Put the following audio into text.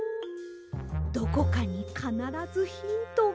どこかにかならずヒントが。